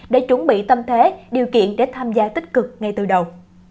để chuẩn bị tâm thế điều kiện để tham gia tích cực ngay từ đầu